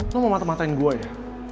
lo mau matematain gue ya